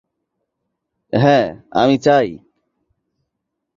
হ্যাঁ আমি চাই।